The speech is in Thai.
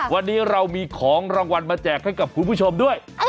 วันนี้เรามีของรางวัลมาแจกให้กับคุณผู้ชมด้วย